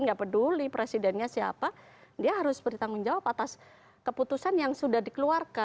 nggak peduli presidennya siapa dia harus bertanggung jawab atas keputusan yang sudah dikeluarkan